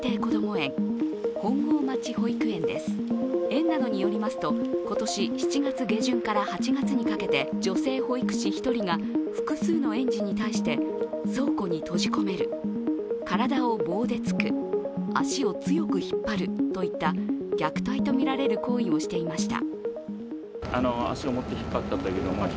園などによりますと今年７月下旬から８月にかけて、女性保育士１人が複数の園児に対して倉庫に閉じ込める、体を棒で突く、足を強く引っ張るといった虐待とみられる行為をしていました。